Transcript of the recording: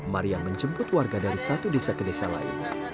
maria menjemput warga dari satu desa ke desa lain